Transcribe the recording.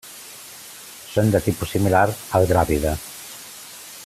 Són de tipus similar al dràvida.